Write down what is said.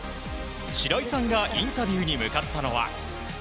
白井さんがインタビューに向かったのは。